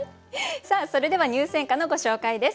さあそれでは入選歌のご紹介です。